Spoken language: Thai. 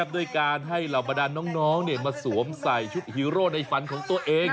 ด้วยการให้เหล่าบรรดานน้องมาสวมใส่ชุดฮีโร่ในฝันของตัวเอง